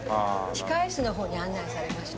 控室の方に案内されました。